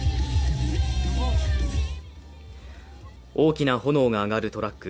大きな炎が上がるトラック。